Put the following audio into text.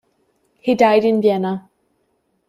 He died in Vienna.